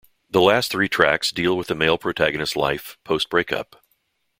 The last three tracks deal with the male protagonists's life, post-breakup.